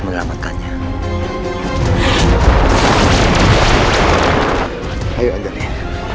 dan kekuatan menyembuhkan kelompok